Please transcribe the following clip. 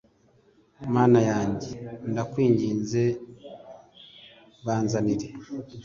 mana yanjye ndakwinginze banzanire